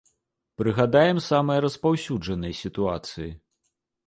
Прыгадаем самыя распаўсюджаныя сітуацыі.